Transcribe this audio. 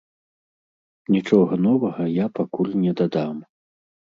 Нічога новага я пакуль не дадам.